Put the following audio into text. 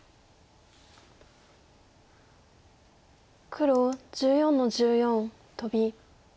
黒１４の十四トビ。